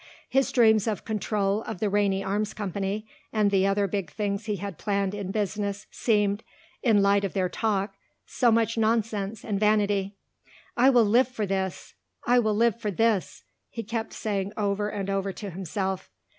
His dreams of control of the Rainey Arms Company and the other big things he had planned in business seemed, in the light of their talk, so much nonsense and vanity. "I will live for this! I will live for this!" he kept saying over and over to himself.